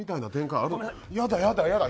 やだやだやだ